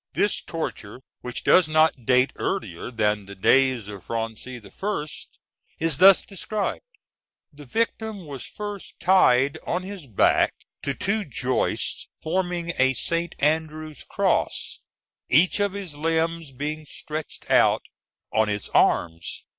This torture, which does not date earlier than the days of Francis I., is thus described: The victim was first tied on his back to two joists forming a St. Andrew's cross, each of his limbs being stretched out on its arms.